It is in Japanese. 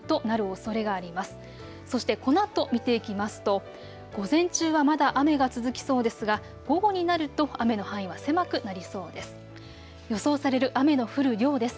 そしてこのあと見ていきますと午前中はまだ雨が続きそうですが午後になると雨の範囲は狭くなりそうです。